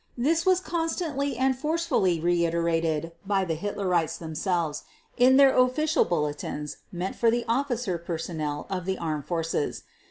This was constantly and forcefully reiterated by the Hitlerites themselves in their official bulletins meant for the officer personnel of the armed forces.